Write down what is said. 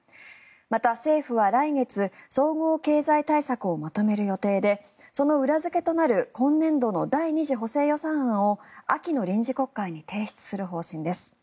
また、政府は来月総合経済対策をまとめる予定でその裏付けとなる今年度の第２次補正予算案を秋の臨時国会に提出する方針です。